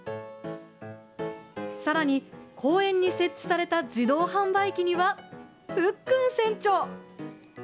さらに公園に設置された自動販売機には、フックン船長。